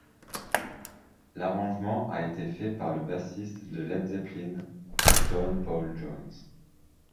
L'arrangement a été fait par le bassiste de Led Zeppelin, John Paul Jones.